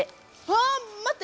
あ待って！